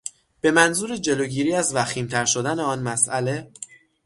به منظور جلوگیری از وخیمتر شدن آن مسئله